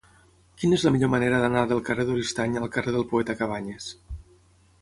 Quina és la millor manera d'anar del carrer d'Oristany al carrer del Poeta Cabanyes?